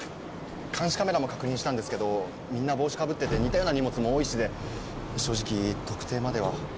監視カメラも確認したんですけどみんな帽子かぶってて似たような荷物も多いしで正直特定までは。